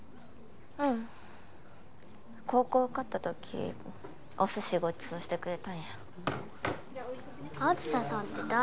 うん高校受かった時お寿司ごちそうしてくれたんや梓さんって誰？